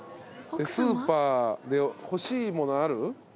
スーパーで欲しいものある？